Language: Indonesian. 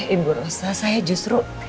ibu rosa saya justru